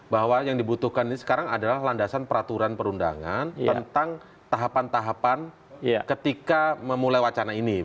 bahwa yang dibutuhkan ini sekarang adalah landasan peraturan perundangan tentang tahapan tahapan ketika memulai wacana ini